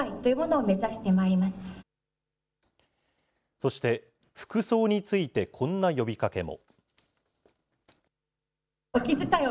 そして、服装についてこんな呼びかけも。